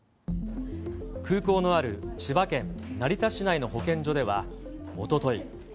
空港のある千葉県成田市内の保健所では、おととい。